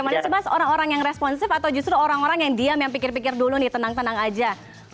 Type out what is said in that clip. mana sih mas orang orang yang responsif atau justru orang orang yang diam yang pikir pikir dulu nih tenang tenang aja